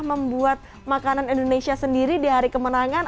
membuat makanan indonesia sendiri di hari kemenangan